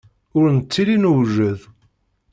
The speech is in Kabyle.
Ur nettili newjed.